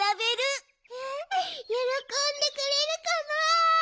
よろこんでくれるかな？